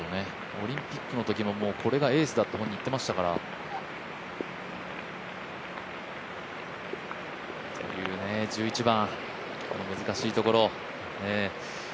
オリンピックのときもこれがエースだと本人、言っていましたから。という１１番、難しいところ。